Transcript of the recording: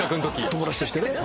友達としてね。